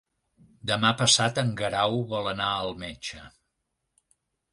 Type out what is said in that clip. Demà passat en Guerau vol anar al metge.